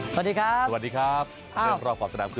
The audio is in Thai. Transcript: สวัสดีครับ